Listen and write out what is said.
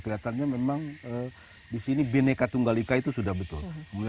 kelihatannya memang di sini bineka tunggal ika itu sudah betul